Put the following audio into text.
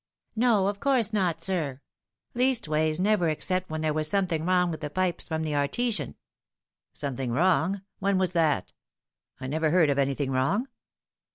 " No, of course not, sir ; leastways, never except when there was something wrong with the pipes from the artesian." " Something wrong I when was that ? I never heard of anything wrong."